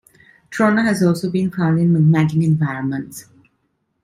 Trona has also been found in magmatic environments.